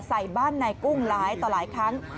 ใส่บ้านนายกุ้งหลายต่อหลายครั้ง